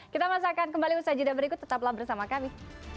kita masakkan kembali usaha juda berikut tetaplah bersama kami